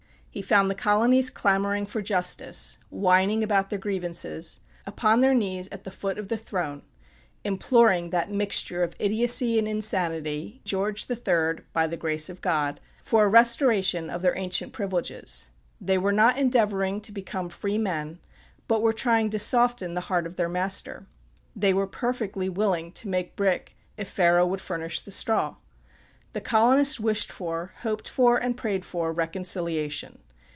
He found the colonies clamoring for justice; whining about their grievances; upon their knees at the foot of the throne, imploring that mixture of idiocy and insanity, George the III. by the grace of God, for a restoration of their ancient privileges. They were not endeavoring to become free men, but were trying to soften the heart of their master. They were perfectly willing to make brick Pharaoh would furnish the straw. The colonists wished for, hoped for, and prayed for reconciliation.